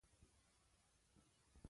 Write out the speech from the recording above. ذهن د خیال او واقعیت تر منځ پوله نه پېژني.